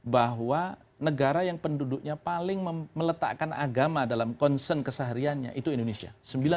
bahwa negara yang penduduknya paling meletakkan agama dalam concern kesehariannya itu indonesia